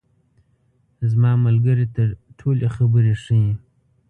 زما ملګري ته ټولې خبرې ښیې.